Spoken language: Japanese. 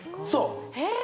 そう。